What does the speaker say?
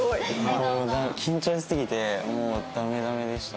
緊張しすぎてもうダメダメでした。